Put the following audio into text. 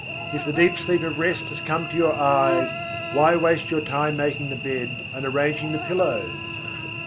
If the deep sleep of rest has come to your eyes, why waste your time making the bed and arranging the pillows?